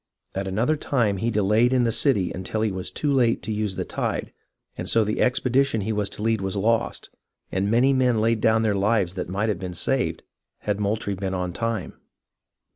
At another time he delayed in the city until he was too late to use the tide, and so the expedition he was to lead was lost, and many men laid down lives that might have been saved had Moultrie been on time.